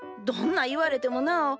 どんな言われてもなあ。